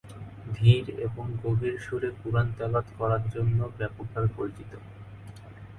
ধীর এবং গভীর সুরে কুরআন তেলাওয়াত করার জন্য ব্যাপকভাবে পরিচিত।